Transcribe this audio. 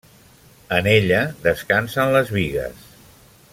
En ella descansen les bigues.